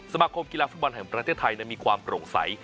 สมาคมกีฬาฝึกวันแห่งประเทศไทยมีความตรงใส